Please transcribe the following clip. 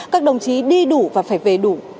các đồng chí đi đủ và phải về đủ